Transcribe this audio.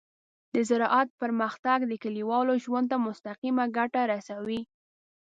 د زراعت پرمختګ د کليوالو ژوند ته مستقیمه ګټه رسوي.